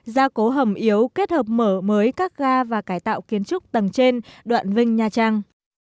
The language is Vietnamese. gia cố hầm yếu kết hợp mở mới các ga và cải tạo kiến trúc tầng trên đoạn vinh nha trang